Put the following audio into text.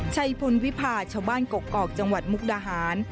ชัยพลวิพาชาวบ้านกกอกจังหวัดมุกดาหาร